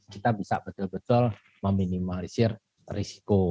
kita bisa betul betul meminimalisir risiko